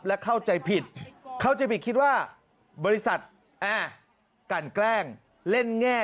และเข้าใจผิดเข้าใจผิดคิดว่าบริษัทกันแกล้งเล่นแง่